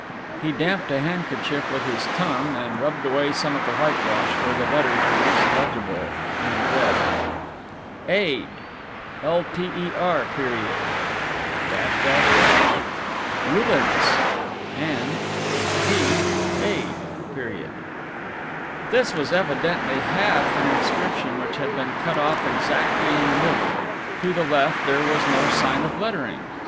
He damped a handkerchief with his tongue and rubbed away some of the whitewash where the letters were least legible and read: AID LTER. ULANCE & T AID. This was evidently half an inscription which had been cut off exactly in the middle. To the left there was no sign of lettering.